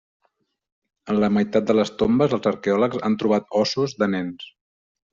En la meitat de les tombes els arqueòlegs han trobat ossos de nens.